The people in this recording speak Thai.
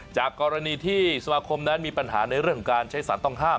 จากกรณีที่สมาคมนั้นมีปัญหาในเรื่องของการใช้สารต้องห้าม